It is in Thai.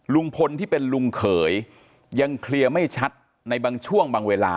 ลุงพลที่เป็นลุงเขยยังเคลียร์ไม่ชัดในบางช่วงบางเวลา